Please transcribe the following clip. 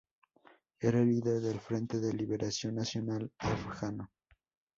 Era el líder del Frente de Liberación Nacional Afgano.